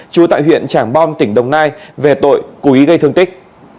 chú tại huyện trảng bom tỉnh đồng nai về tội cố ý gây thương tích